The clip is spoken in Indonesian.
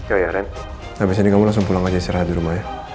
oke ren habis ini kamu langsung pulang aja istirahat di rumah ya